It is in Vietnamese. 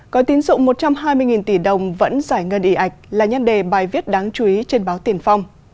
gói tín dụng một trăm hai mươi tỷ đồng vẫn giải ngân y ạch là nhân đề bài viết đáng chú ý trên báo tiền phong